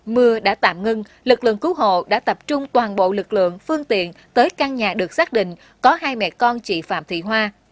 mưa đã tạm ngưng lực lượng cứu hộ đã tập trung toàn bộ lực lượng phương tiện tới căn nhà được xác định có hai mẹ con chị phạm thị hoa